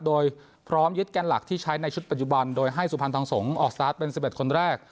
โดยพร้อมยึดแกนหลักที่ใช้ในชุดปัจจุบันโดยให้สุพรรณทองสงฆ์ออกสตาร์ทเป็น๑๑คนแรก